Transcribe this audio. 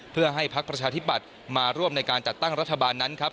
เพื่อให้พักประชาธิบัติมาร่วมในการจัดตั้งรัฐบาลนั้นครับ